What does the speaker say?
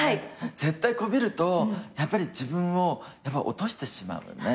絶対こびるとやっぱり自分を落としてしまうよね。